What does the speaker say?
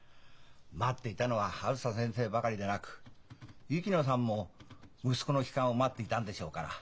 待っていたのはあづさ先生ばかりでなく薫乃さんも息子の帰還を待っていたんでしょうから。